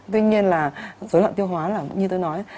tuy nhiên là dối loạn tiêu hóa là như tôi nói